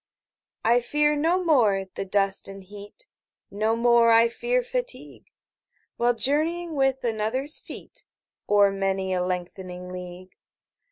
I fear no more the dust and heat, 25 No more I fear fatigue, While journeying with another's feet O'er many a lengthening league.